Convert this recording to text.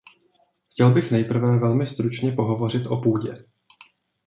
Chtěl bych nejprve velmi stručně pohovořit o půdě.